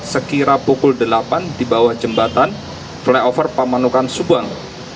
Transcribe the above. sekira pukul delapan di bawah jembatan flyover pamanukan subang